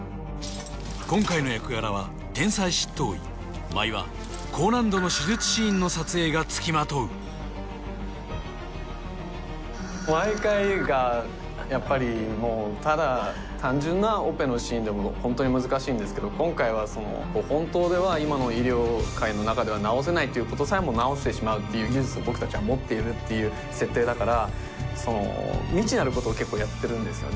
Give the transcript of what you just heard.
今回の役柄は天才執刀医毎話高難度の手術シーンの撮影がつきまとう毎回がやっぱりただ単純なオペのシーンでもホントに難しいんですけど今回は本当では今の医療界の中では治せないっていうことさえも治してしまうっていう技術を僕達は持っているっていう設定だから未知なることを結構やってるんですよね